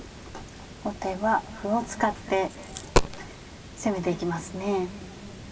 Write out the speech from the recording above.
後手は歩を使って攻めていきますね。